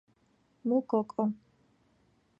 მუ გოკო